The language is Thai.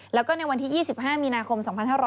แล้วก็ในวันที่๒๕มีนาคม๒๕๖๐